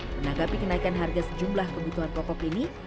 menanggapi kenaikan harga sejumlah kebutuhan pokok ini